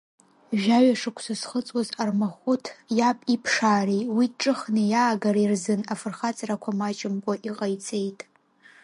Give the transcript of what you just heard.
Жәаҩа шықәса зхыҵуаз Армахәыҭ, иаб иԥшаареи уи дҿыхны иаагареи рзын афырхаҵарақәа маҷымкәа иҟаиҵеит…